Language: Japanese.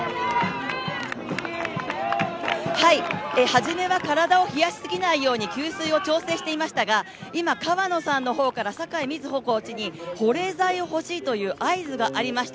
はじめは体を冷やしすぎないように給水を調整していましたが、今、川野さんの方から酒井瑞穂コーチに保冷剤が欲しいという合図がありました。